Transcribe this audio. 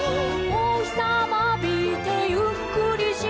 「おひさまあびてゆっくりしましょう」